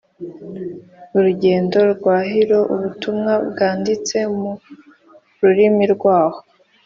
urugendo rwariho ubutumwa bwanditse mu rurimi rwaho